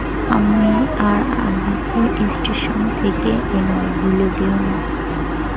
আম্মি আর আব্বাকে স্টেশন থেকে এনো ভুলে যেও না।